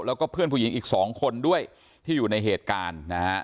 แล้วก็เพื่อนผู้หญิงอีก๒คนด้วยที่อยู่ในเหตุการณ์นะฮะ